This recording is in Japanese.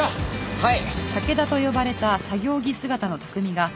はい！